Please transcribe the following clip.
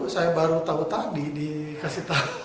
saya baru tahu tadi dikasih tahu